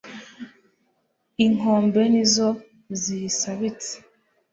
inkombe nizo ziyisabitse